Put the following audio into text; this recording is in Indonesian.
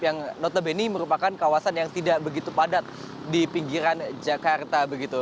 yang notabene merupakan kawasan yang tidak begitu padat di pinggiran jakarta begitu